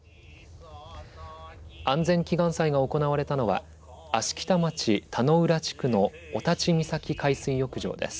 安全祈願祭が行われたのは芦北町田浦地区の御立岬海水浴場です。